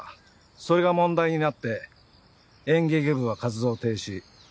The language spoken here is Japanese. それが問題になって演劇部は活動停止。